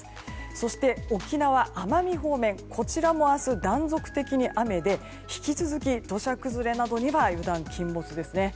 そして、沖縄、奄美方面こちらも明日、断続的に雨で引き続き、土砂崩れなどには油断禁物ですね。